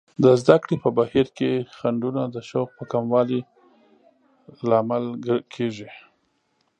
د زده کړې په بهیر کې خنډونه د شوق په کموالي لامل کیږي.